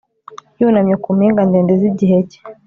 Yunamye ku mpinga ndende zigihe cye